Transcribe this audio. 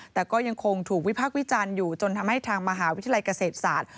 แต่ก็ยังคงถูกวิพากษ์วิจารณ์อยู่จนทำให้ทางมหาวิทยาลัยเกษตรศาสตร์